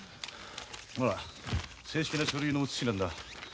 ほら正式な書類の写しなんだ。